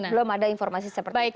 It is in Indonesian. belum ada informasi seperti itu